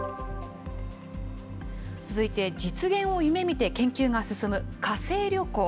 続いて、実現を夢みて研究が進む火星旅行。